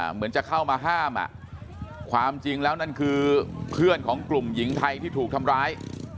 เหมือนจะเข้ามาห้ามความจริงแล้วนั่นคือเพื่อนของกลุ่มหญิงไทยที่ถูกทำร้าย